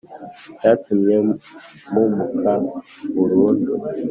cyatumye mpumuka burundu